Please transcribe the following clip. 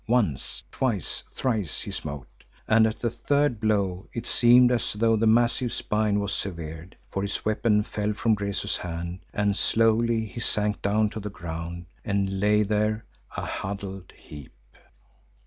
Once, twice, thrice, he smote, and at the third blow it seemed as though the massive spine were severed, for his weapon fell from Rezu's hand and slowly he sank down to the ground, and lay there, a huddled heap.